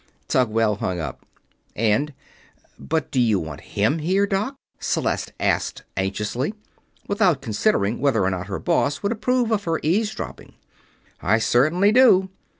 Tugwell hung up and: "But do you want him here, Doc?" Celeste asked, anxiously, without considering whether or not her boss would approve of her eavesdropping. "I certainly do.